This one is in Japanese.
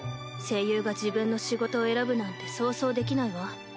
声優が自分の仕事を選ぶなんてそうそうできないわ。